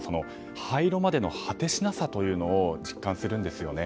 廃炉までの果てしなさというのを実感するんですよね。